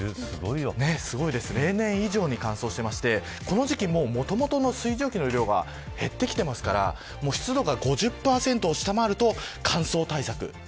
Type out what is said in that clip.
例年以上に乾燥していましてこの時期、もともとの水蒸気の量が減ってきていますから湿度が５０％を下回ると乾燥対策。